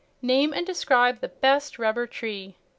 Name and describe the best rubber tree.